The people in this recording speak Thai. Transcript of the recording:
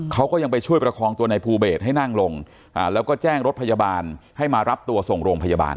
เขาก็ยังไปช่วยประคองตัวในภูเบสให้นั่งลงแล้วก็แจ้งรถพยาบาลให้มารับตัวส่งโรงพยาบาล